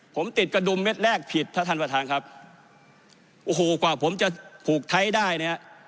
ผมติดกระดุมเม็ดแรกผิดถ้าท่านประธานครับโอ้โหกว่าผมจะผูกใช้ได้เนี่ย